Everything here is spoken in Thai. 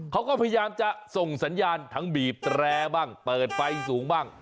เขาก็พยายามจะส่งสัญญาณทั้งบีบแตรบ้างเปิดไฟสูงบ้าง